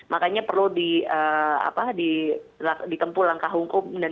makanya perlu ditempuh langkah hukum